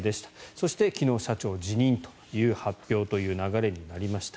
そして昨日、社長は辞任という発表という流れになりました。